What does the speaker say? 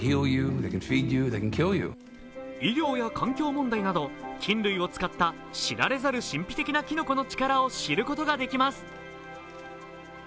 医療や環境問題など菌類を使った知られざる神秘的なきのこの力を知ることができます。